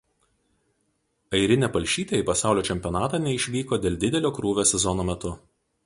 Airinė Palšytė į pasaulio čempionatą neišvyko dėl didelio krūvio sezono metu.